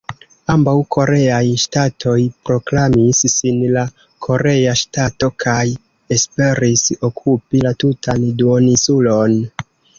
Ambaŭ koreaj ŝtatoj proklamis sin "la" korea ŝtato kaj esperis okupi la tutan duoninsulon.